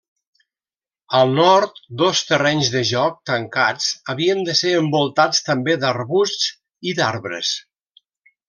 Al nord, dos terrenys de joc tancats havien de ser envoltats també d'arbusts i d'arbres.